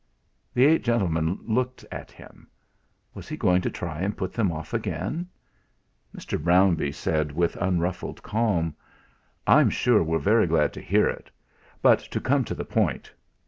The eight gentlemen looked at him. Was he going to try and put them off again? Mr. Brownbee said with unruffled calm: "I'm sure we're very glad to hear it. But to come to the point.